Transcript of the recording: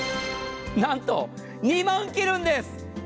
何と２万切るんです。